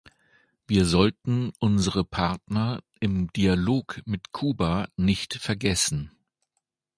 Wir sollten unsere Partner im Dialog mit Kuba nicht vergessen.